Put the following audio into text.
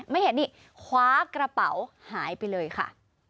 ไม่เห็นนี่คว้ากระเป๋าหายไปเลยค่ะ